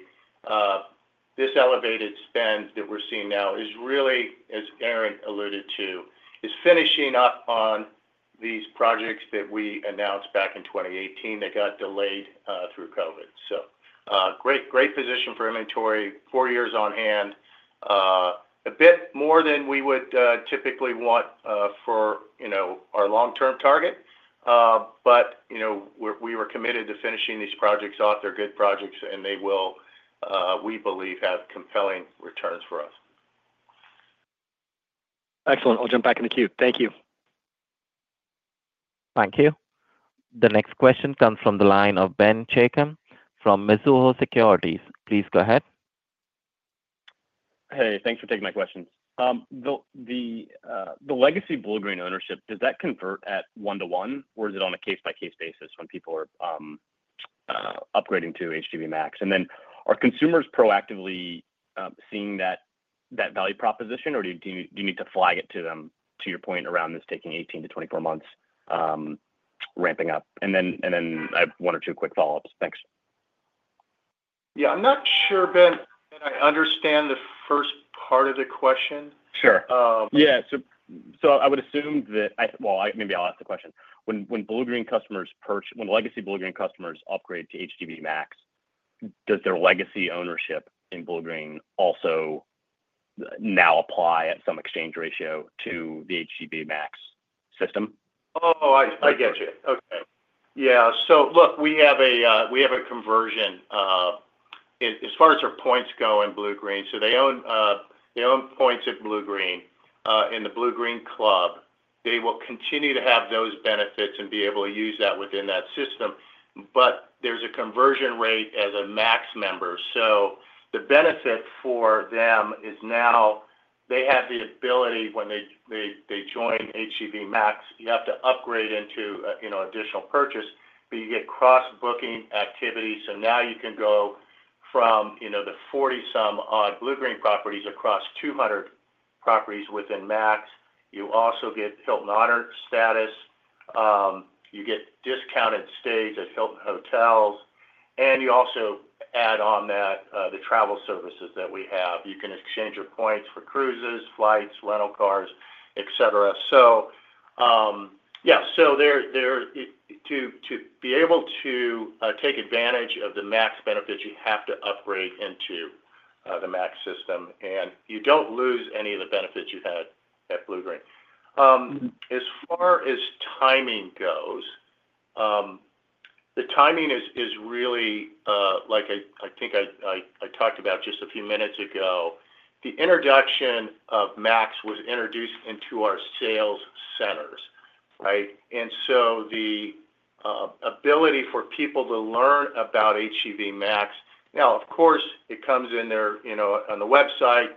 This elevated spend that we're seeing now is really, as Erin alluded to, is finishing up on these projects that we announced back in 2018 that got delayed through COVID. So great position for inventory, four years on hand, a bit more than we would typically want for our long-term target. But we were committed to finishing these projects off. They're good projects, and they will, we believe, have compelling returns for us. Excellent. I'll jump back in the queue. Thank you. Thank you. The next question comes from the line of Ben Chaiken from Mizuho Securities. Please go ahead. Hey, thanks for taking my questions. The Legacy Bluegreen ownership, does that convert at one-to-one, or is it on a case-by-case basis when people are upgrading to HGV Max? And then are consumers proactively seeing that value proposition, or do you need to flag it to them to your point around this taking 18-24 months ramping up? And then I have one or two quick follow-ups. Thanks. I'm not sure, Ben, that I understand the first part of the question. Sure. So I would assume that, well, maybe I'll ask the question. When Bluegreen customers purchase, when Legacy Bluegreen customers upgrade to HGV Max, does their Legacy ownership in Bluegreen also now apply at some exchange ratio to the HGV Max system? I get you. Okay. So look, we have a conversion as far as our points go in Bluegreen. So they own points at Bluegreen in the Bluegreen Club. They will continue to have those benefits and be able to use that within that system. But there's a conversion rate as a Max member. So the benefit for them is now they have the ability when they join HGV Max, you have to upgrade into additional purchase, but you get cross-booking activity. So now you can go from the 40-some-odd Bluegreen properties across 200 properties within Max. You also get Hilton Honors status. You get discounted stays at Hilton hotels. And you also add on that the travel services that we have. You can exchange your points for cruises, flights, rental cars, etc. So to be able to take advantage of the Max benefits, you have to upgrade into the Max system, and you don't lose any of the benefits you had at Bluegreen. As far as timing goes, the timing is really like I think I talked about just a few minutes ago. The introduction of Max was introduced into our sales centers, right? And so the ability for people to learn about HGV Max. Now, of course, it comes in there on the website.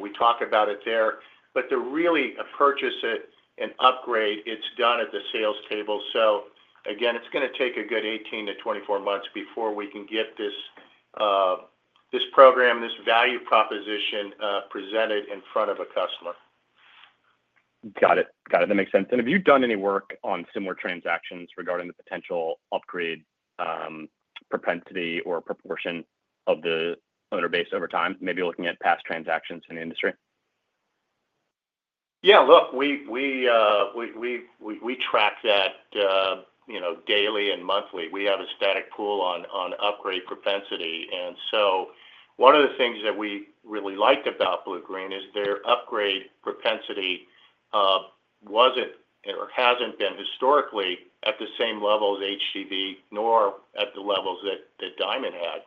We talk about it there. But to really purchase it and upgrade, it's done at the sales table. So again, it's going to take a good 18-24 months before we can get this program, this value proposition presented in front of a customer. Got it. Got it. That makes sense. And have you done any work on similar transactions regarding the potential upgrade propensity or proportion of the owner base over time, maybe looking at past transactions in the industry? Look, we track that daily and monthly. We have a static pool on upgrade propensity. And so one of the things that we really liked about Bluegreen is their upgrade propensity wasn't or hasn't been historically at the same level as HGV, nor at the levels that Diamond had.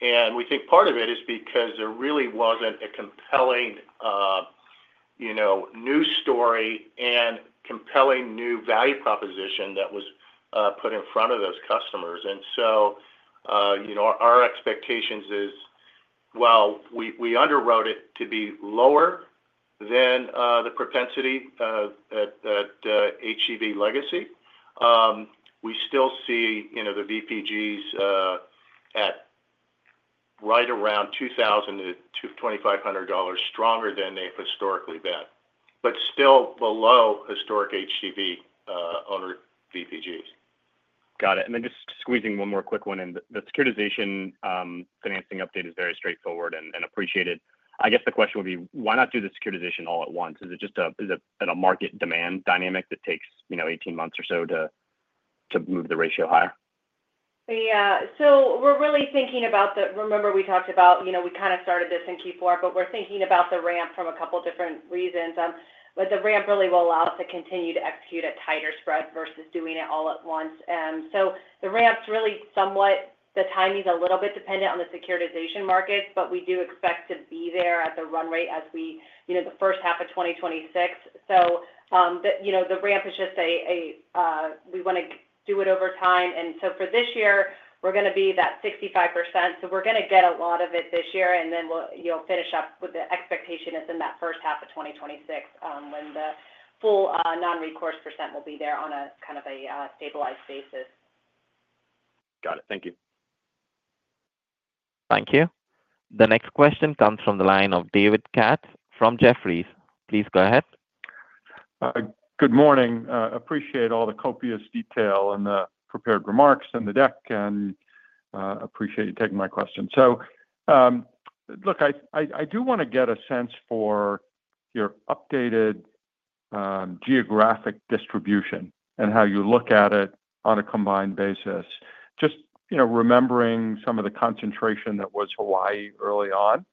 And we think part of it is because there really wasn't a compelling news story and compelling new value proposition that was put in front of those customers. Our expectation is, well, we underwrote it to be lower than the propensity at HGV Legacy. We still see the VPGs at right around $2,000-$2,500 stronger than they've historically been, but still below historic HGV owner VPGs. Got it. Then just squeezing one more quick one in. The securitization financing update is very straightforward and appreciated. I guess the question would be, why not do the securitization all at once? Is it just a market demand dynamic that takes 18 months or so to move the ratio higher? Yeah. So we're really thinking about, remember, we talked about we kind of started this in Q4, but we're thinking about the ramp from a couple of different reasons. But the ramp really will allow us to continue to execute a tighter spread versus doing it all at once. So the ramp's really somewhat the timing's a little bit dependent on the securitization markets, but we do expect to be there at the run rate as we the first half of 2026. So the ramp is just a we want to do it over time. And so for this year, we're going to be that 65%. So we're going to get a lot of it this year, and then we'll finish up with the expectation is in that first half of 2026 when the full non-recourse percent will be there on a kind of a stabilized basis. Got it. Thank you. Thank you. The next question comes from the line of David Katz from Jefferies. Please go ahead. Good morning. Appreciate all the copious detail and the prepared remarks in the deck and appreciate you taking my question. So, look, I do want to get a sense for your updated geographic distribution and how you look at it on a combined basis, just remembering some of the concentration that was Hawaii early on,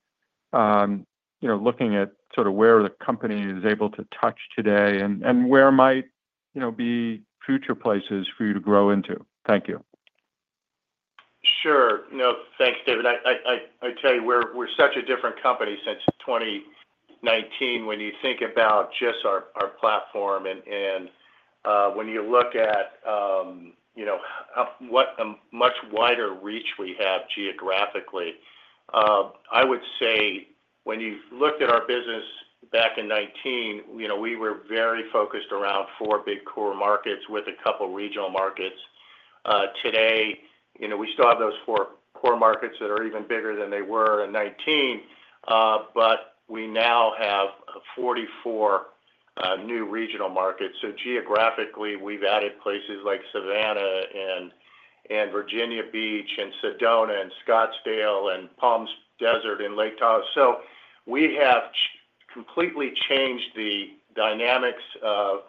looking at sort of where the company is able to touch today and where might be future places for you to grow into. Thank you. Sure. No, thanks, David. I tell you, we're such a different company since 2019 when you think about just our platform. And when you look at what a much wider reach we have geographically, I would say when you looked at our business back in 2019, we were very focused around four big core markets with a couple of regional markets. Today, we still have those four core markets that are even bigger than they were in 2019, but we now have 44 new regional markets. So geographically, we've added places like Savannah and Virginia Beach and Sedona and Scottsdale and Palm Desert and Lake Tahoe. So we have completely changed the dynamics of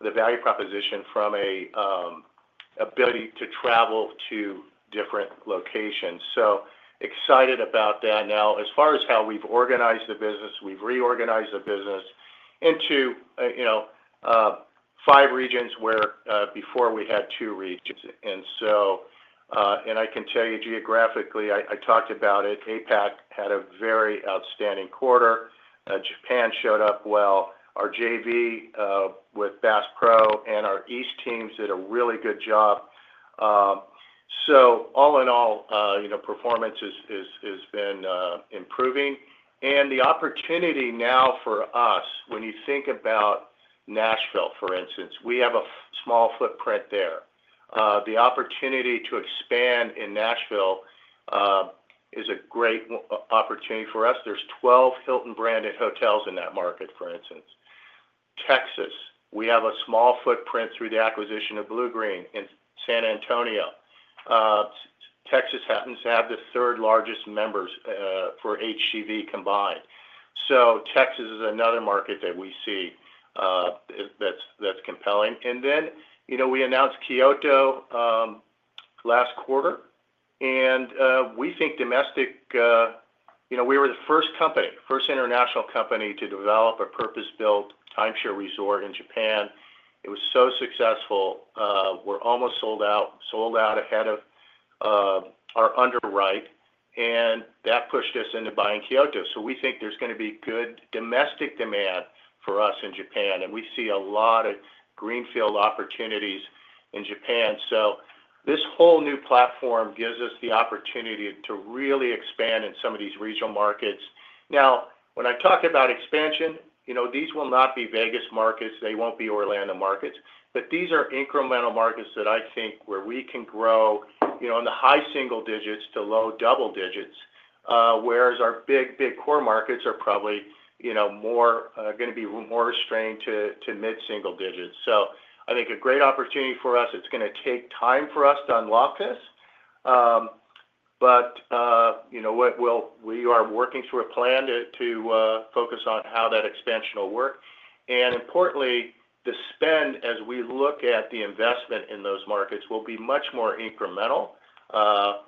the value proposition from an ability to travel to different locations. So excited about that. Now, as far as how we've organized the business, we've reorganized the business into five regions where before we had two regions. And I can tell you geographically, I talked about it. APAC had a very outstanding quarter. Japan showed up well. Our JV with Bass Pro and our East teams did a really good job. So all in all, performance has been improving. And the opportunity now for us, when you think about Nashville, for instance, we have a small footprint there. The opportunity to expand in Nashville is a great opportunity for us. There's 12 Hilton-branded hotels in that market, for instance. Texas, we have a small footprint through the acquisition of Bluegreen in San Antonio. Texas happens to have the third largest members for HGV combined, so Texas is another market that we see that's compelling, and then we announced Kyoto last quarter, and we think domestic we were the first company, first international company to develop a purpose-built timeshare resort in Japan. It was so successful. We're almost sold out, sold out ahead of our underwrite, and that pushed us into buying Kyoto, so we think there's going to be good domestic demand for us in Japan, and we see a lot of greenfield opportunities in Japan, so this whole new platform gives us the opportunity to really expand in some of these regional markets. Now, when I talk about expansion, these will not be Vegas markets. They won't be Orlando markets. But these are incremental markets that I think where we can grow in the high single digits to low double digits, whereas our big, big core markets are probably going to be more restrained to mid-single digits. So I think a great opportunity for us. It's going to take time for us to unlock this. But we are working through a plan to focus on how that expansion will work. And importantly, the spend, as we look at the investment in those markets, will be much more incremental.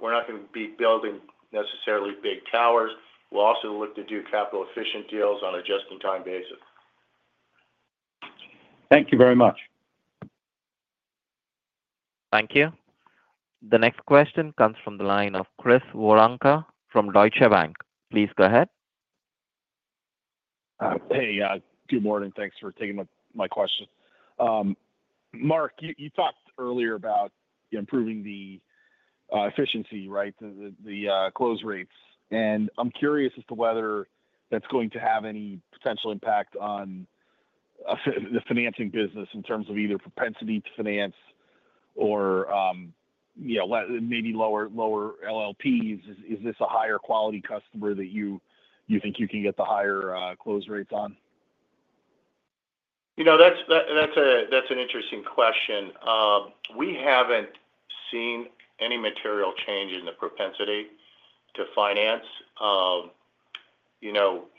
We're not going to be building necessarily big towers. We'll also look to do capital-efficient deals on a just-in-time basis. Thank you very much. Thank you. The next question comes from the line of Chris Woranka from Deutsche Bank. Please go ahead. Hey, good morning. Thanks for taking my question. Mark, you talked earlier about improving the efficiency, right, the close rates. I'm curious as to whether that's going to have any potential impact on the financing business in terms of either propensity to finance or maybe lower LLPs. Is this a higher quality customer that you think you can get the higher close rates on? That's an interesting question. We haven't seen any material change in the propensity to finance.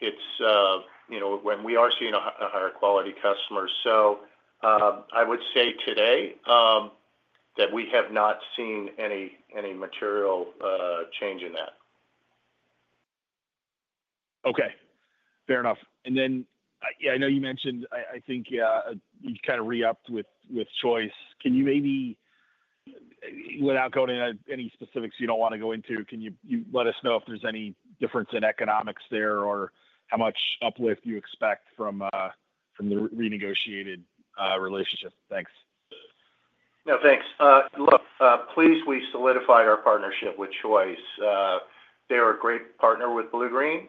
It's when we are seeing a higher quality customer. So I would say today that we have not seen any material change in that. Okay. Fair enough. And then I know you mentioned, I think you kind of re-upped with Choice. Can you maybe, without going into any specifics you don't want to go into, can you let us know if there's any difference in economics there or how much uplift you expect from the renegotiated relationship? Thanks. No, thanks. Look, please, we solidified our partnership with Choice. They're a great partner with Bluegreen.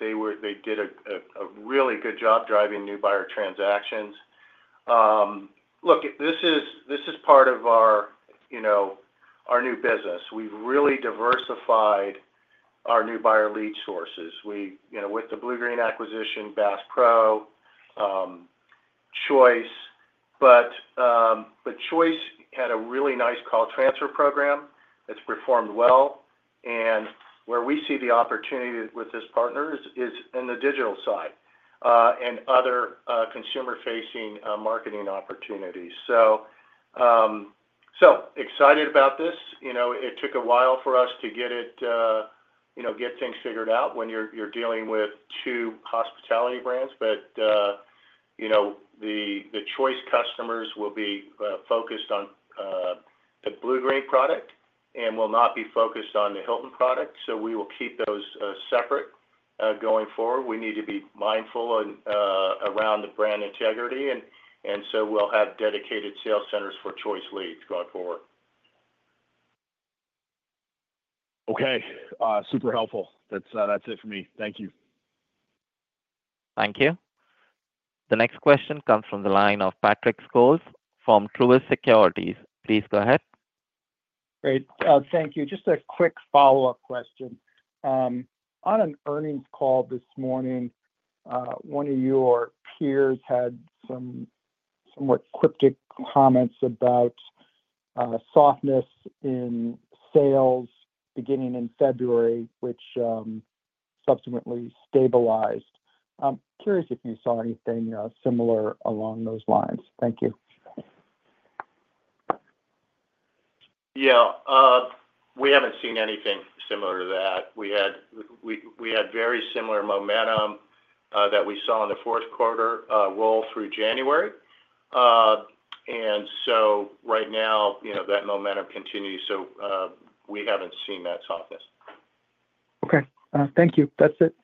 They did a really good job driving new buyer transactions. Look, this is part of our new business. We've really diversified our new buyer lead sources with the Bluegreen acquisition, Bass Pro Shops, Choice. But Choice had a really nice call transfer program that's performed well, and where we see the opportunity with this partner is in the digital side and other consumer-facing marketing opportunities. So excited about this. It took a while for us to get it, get things figured out when you're dealing with two hospitality brands. But the Choice customers will be focused on the Bluegreen product and will not be focused on the Hilton product, so we will keep those separate going forward. We need to be mindful around the brand integrity, and so we'll have dedicated sales centers for Choice leads going forward. Okay. Super helpful. That's it for me. Thank you. Thank you. The next question comes from the line of Patrick Scholes from Truist Securities. Please go ahead. Great. Thank you. Just a quick follow-up question. On an earnings call this morning, one of your peers had some somewhat cryptic comments about softness in sales beginning in February, which subsequently stabilized. I'm curious if you saw anything similar along those lines. Thank you. We haven't seen anything similar to that. We had very similar momentum that we saw in the fourth quarter roll through January. And so right now, that momentum continues. So we haven't seen that softness. Okay. Thank you. That's it.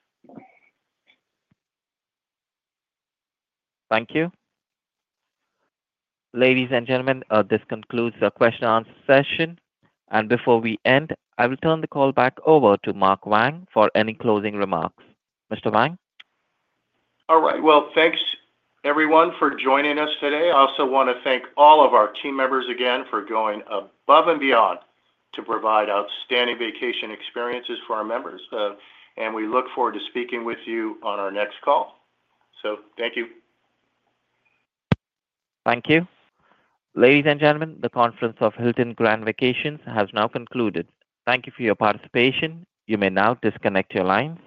Thank you. Ladies and gentlemen, this concludes the question-and-answer session. And before we end, I will turn the call back over to Mark Wang for any closing remarks. Mr. Wang? All right. Well, thanks, everyone, for joining us today. I also want to thank all of our team members again for going above and beyond to provide outstanding vacation experiences for our members. And we look forward to speaking with you on our next call. So thank you. Thank you. Ladies and gentlemen, the conference call of Hilton Grand Vacations has now concluded. Thank you for your participation. You may now disconnect your lines.